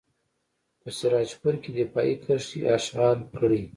په سراج پور کې دفاعي کرښې اشغال کړئ.